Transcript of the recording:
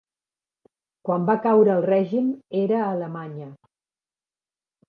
Quan va caure el règim era a Alemanya.